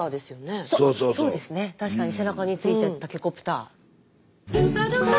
確かに背中についてるタケコプター。